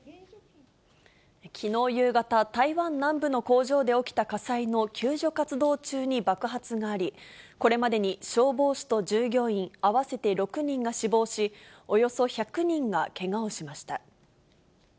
きのう夕方、台湾南部の工場で起きた火災の救助活動中に爆発があり、これまでに消防士と従業員合わせて６人が死亡し、およそ１００人がけがをしました。